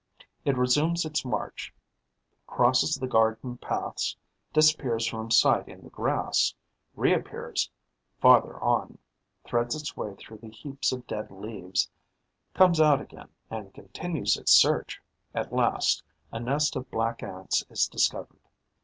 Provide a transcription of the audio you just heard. It resumes its march, crosses the garden paths, disappears from sight in the grass, reappears farther on, threads its way through the heaps of dead leaves, comes out again and continues its search. At last, a nest of Black Ants is discovered.